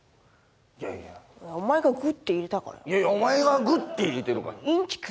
いやいやお前がグッて入れたからやいやいやお前がグッて入れてるからインチキ